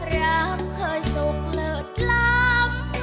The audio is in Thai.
รักเคยสุขเหลือดล้ำ